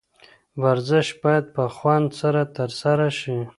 ورزش باید په خوند سره ترسره شي.